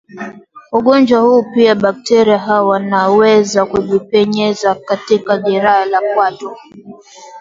ugonjwa huu Pia bakteria hao wanaweza kujipenyeza katika jeraha la kwato